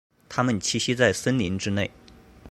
它们栖息在森林之内。